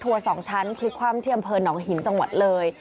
รถทัวร์สองชั้นคือความเที่ยมเพลินหนองหินจังหวัดเรย์